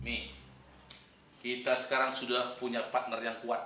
ini kita sekarang sudah punya partner yang kuat